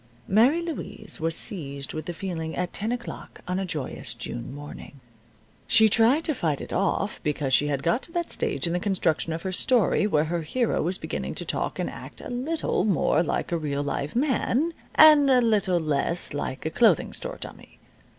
Mary Louise was seized with the feeling at ten o'clock on a joyous June morning. She tried to fight it off because she had got to that stage in the construction of her story where her hero was beginning to talk and act a little more like a real live man, and a little less like a clothing store dummy.